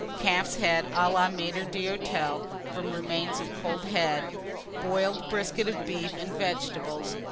Calf's head à la maitre d'hôtel, from remains of cold head; boiled brisket of beef and vegetables.